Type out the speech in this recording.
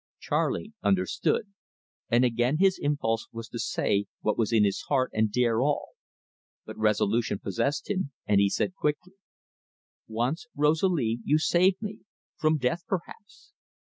Charley understood, and again his impulse was to say what was in his heart and dare all; but resolution possessed him, and he said quickly: "Once, Rosalie, you saved me from death perhaps.